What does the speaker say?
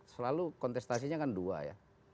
selalu kontestasinya kan dua ya